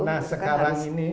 nah sekarang ini